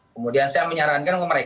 kemudian saya menyarankan ke mereka